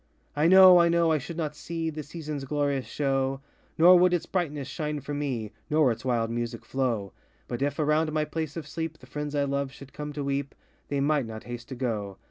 I know, I know I should not see The seasonŌĆÖs glorious show, Nor would its brightness shine for me; Nor its wild music flow; But if, around my place of sleep, The friends I love should come to weep, They might not haste to go.